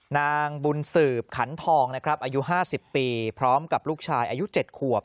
นางบุญสืบขันทองนะครับอายุ๕๐ปีพร้อมกับลูกชายอายุ๗ขวบ